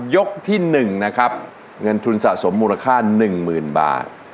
ยกที่หนึ่งนะครับเงินทุนสะสมมูลค่า๑หมื่นบาท